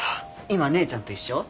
今姉ちゃんと一緒？